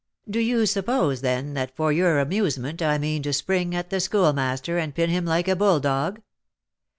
"Do you suppose, then, that for your amusement I mean to spring at the Schoolmaster, and pin him like a bull dog?"